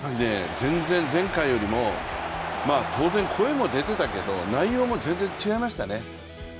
前回よりも当然声も出てたけど、内容も全然違いましたね。